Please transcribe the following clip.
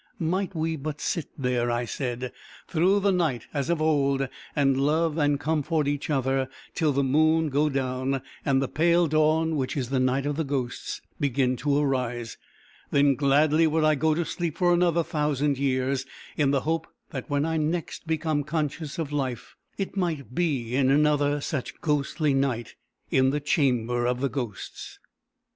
"Might we but sit there," I said, "through the night, as of old, and love and comfort each other, till the moon go down, and the pale dawn, which is the night of the ghosts, begin to arise, then gladly would I go to sleep for another thousand years, in the hope that when I next became conscious of life, it might be in another such ghostly night, in the chamber of the ghosts."